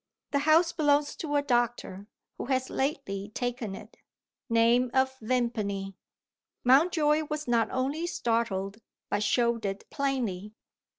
The house belongs to a doctor, who has lately taken it. Name of Vimpany." Mountjoy was not only startled, but showed it plainly.